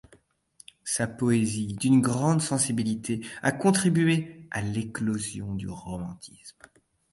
Sa poésie, d'une grande sensibilité, a contribué à l'éclosion du romantisme.